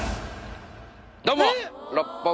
どうも！